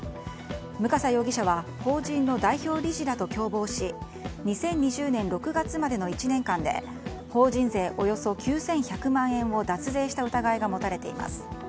武笠容疑者は法人の代表理事らと共謀し２０２０年６月までの１年間で法人税およそ９１００万円を脱税した疑いが持たれています。